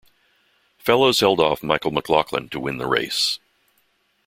Fellows held off Michael McLaughlin to win the race.